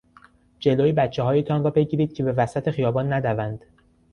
جلو بچههایتان را بگیرید که به وسط خیابان ندوند.